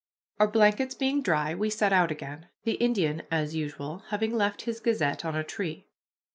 Our blankets being dry, we set out again, the Indian, as usual, having left his gazette on a tree.